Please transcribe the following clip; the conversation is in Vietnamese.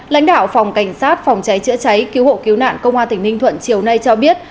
lãnh đạo phòng cảnh sát phòng cháy chữa cháy cứu hộ cứu nạn công an tỉnh ninh thuận chiều nay cho biết